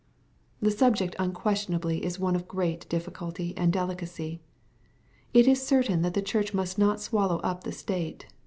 The subject unquestionably is one of great difficulty and delicacy. It is certain that the church must not swallow up the state.